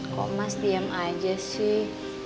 kok mas diam aja sih